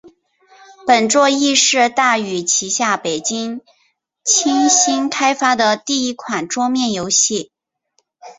本作亦是大宇旗下北京软星开发的第一款桌面游戏。